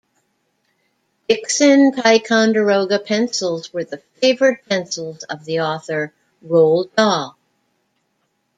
Dixon Ticonderoga pencils were the favorite pencils of the author Roald Dahl.